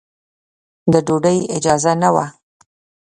د ډوډۍ اجازه نه وه.